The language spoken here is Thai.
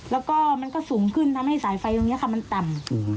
แล้วก็มันก็สูงขึ้นทำให้สายไฟตรงนี้ค่ะมันต่ำ